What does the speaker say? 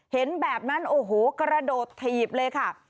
เห็นแบบนั้นโอ้โหกระโดดถีบเลยค่ะ